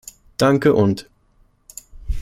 Danke und .